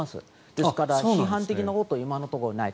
ですから批判的なことは今のところない。